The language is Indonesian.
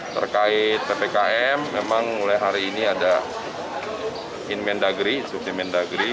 terkait ppkm memang mulai hari ini ada inmen dagri